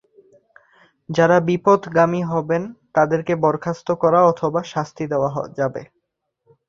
যারা বিপথগামী হবেন, তাদেরকে বরখাস্ত করা অথবা শাস্তি দেওয়া যাবে।